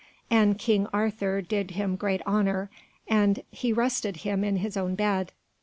And King Arthur did him great honour, and he rested him in his own bed.